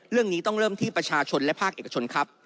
เรื่องนี้ต้องเริ่มที่ประชาชนและภาคเอกชนครับ